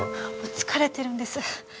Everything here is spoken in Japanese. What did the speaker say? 疲れてるんです。